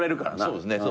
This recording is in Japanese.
そうですね。